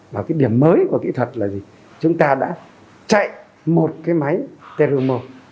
và cái điểm mới của kỹ thuật là chúng ta đã chạy một cái máy terumor